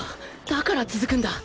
だから続くんだ。